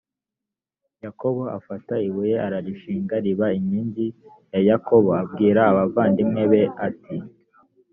yakobo afata ibuye ararishinga riba inkingi yakobo abwira abavandimwe be ati